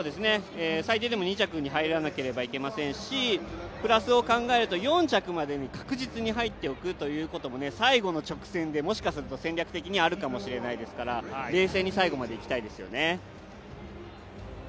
最低でも２着に入らなければいけませんしプラスを考えると４着までに確実に入っていくということで最後の直線でもしかすると戦略的にあるかもしれませんから冷静に最後まで行きたいですよね。